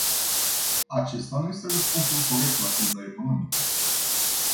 Acesta nu este răspunsul corect la criza economică.